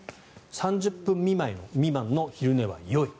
３０分未満の昼寝はよい。